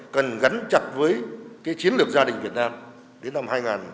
cần gắn chặt với chiến lược gia đình việt nam đến năm hai nghìn hai mươi